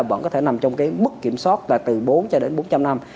vẫn có thể nằm trong cái mức kiểm soát là từ bốn cho đến bốn trăm linh năm